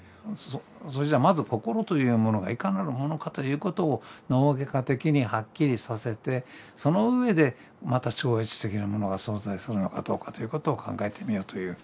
それじゃまず心というものがいかなるものかということを脳外科的にはっきりさせてその上でまた超越的なものが存在するのかどうかということを考えてみようというまあ